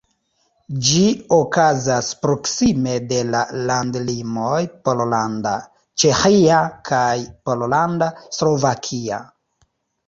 Ĝi okazas proksime de la landlimoj Pollanda-Ĉeĥia kaj Pollanda-Slovakia.